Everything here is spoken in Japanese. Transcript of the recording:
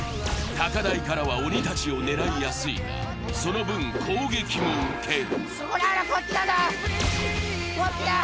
高台からは鬼たちを狙いやすいが、その分、攻撃も受ける。